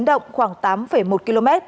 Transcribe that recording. động khoảng tám một km